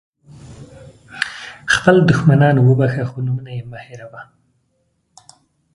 خپل دښمنان وبخښه خو نومونه یې مه هېروه.